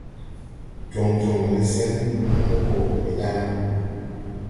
Jon jonre sen mo go me da la.